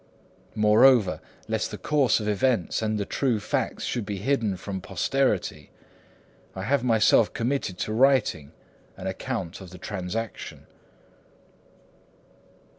Moreover, lest the course of events and the true facts should be hidden from posterity, I have myself committed to writing an account of the transaction.